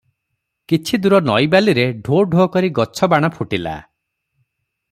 କିଛି ଦୁର ନଈବାଲିରେ ଢୋ ଢୋ କରି ଗଛ ବାଣ ଫୁଟିଲା ।